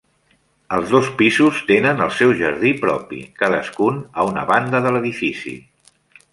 Els dos pisos tenen el seu jardí propi, cadascun a una banda de l'edifici.